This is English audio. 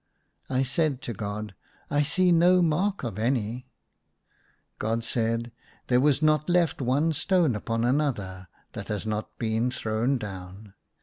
I said to God, " I see no mark of any !" God said, " There was not left one stone upon another that has not been thrown down."